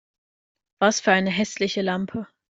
Was für eine hässliche Lampe